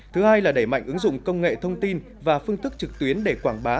thứ hai là đẩy mạnh ứng dụng công nghệ thông tin và phương thức trực tuyến để quảng bá